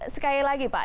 sekali lagi pak